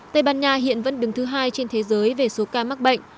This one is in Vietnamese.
tây ban nha hiện vẫn đứng thứ hai trên thế giới về số ca mắc bệnh